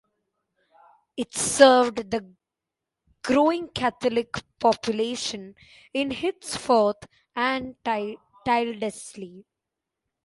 It served the growing Catholic population in Hindsford and Tyldesley.